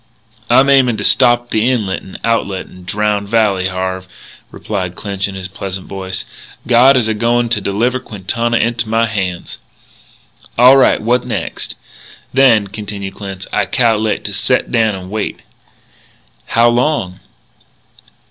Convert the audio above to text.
"I'm aimin' to stop the inlet and outlet to Drowned Valley, Harve," replied Clinch in his pleasant voice. "God is a goin' to deliver Quintana into my hands." "All right. What next?" "Then," continued Clinch, "I cal'late to set down and wait." "How long?"